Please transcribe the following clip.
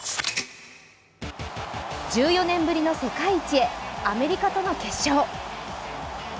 １４年ぶりの世界一へアメリカとの決勝。